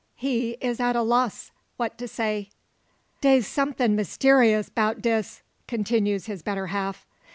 He is at a loss what to say. "Da's somethin' mysteerus 'bout dis," continues his better half.